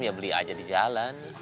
ya beli aja di jalan